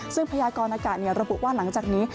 ซึ่งพยากรอากาศระบุว่าหลังจากนี้